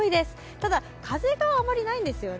ただ、風があまりないんですよね。